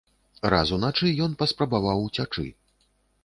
Раз уначы ён паспрабаваў уцячы.